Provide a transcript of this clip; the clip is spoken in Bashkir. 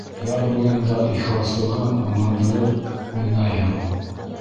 Яр буйында Ихласлығым Ымһындырып, уйнайһың!